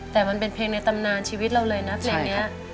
แต่มันเป็นเพลงในตำนานชีวิตเราเลยนะเพลงนี้